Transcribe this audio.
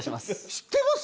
知ってます？